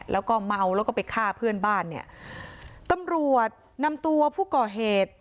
แล้วก็เมาแล้วก็ไปฆ่าเพื่อนบ้านเนี่ยตำรวจนำตัวผู้ก่อเหตุ